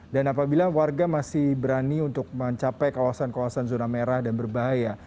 dan apabila warga masih berani untuk mencapai kawasan kawasan zona merah dan berbahaya